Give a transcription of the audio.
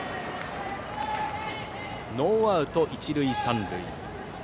ノーアウト、一塁三塁。